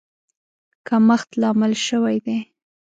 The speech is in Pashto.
کمښت لامل شوی دی.